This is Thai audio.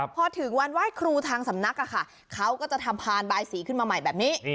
พอถึงวันไหว้ครูทางสำนักเขาก็จะทำพานบายสีขึ้นมาใหม่แบบนี้